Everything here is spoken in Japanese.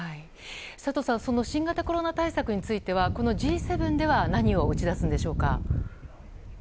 佐藤さんその新型コロナ対策についてはこのＧ７では何を打ち出すんでしょうか？